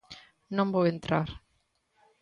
Non vou entrar.